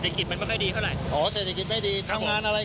อันไงต่าง